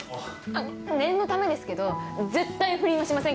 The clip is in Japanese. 念のためですけど絶対不倫はしませんからね。